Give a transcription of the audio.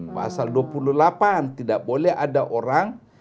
pasal dua puluh delapan tidak boleh ada orang